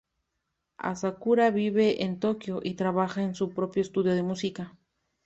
Asakura vive en Tokio y trabaja en su propio estudio de música.